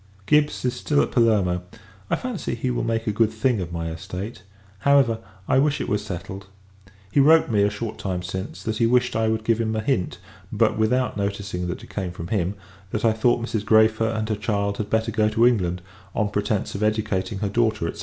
Gibbs is still at Palermo: I fancy, he will make a good thing of my estate; however, I wish it was settled. He wrote me, a short time since, that he wished I would give him a hint (but without noticing that it came from him) that I thought Mrs. Græfer and her child had better go to England; on pretence of educating her daughter, &c.